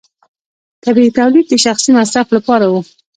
طبیعي تولید د شخصي مصرف لپاره و.